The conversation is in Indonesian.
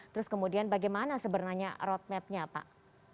terus kemudian bagaimana sebenarnya roadmap nya pak